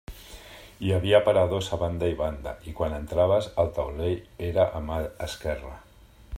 Hi havia aparadors a banda i banda, i quan entraves el taulell era a mà esquerra.